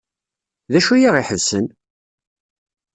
D acu ay aɣ-iḥebsen?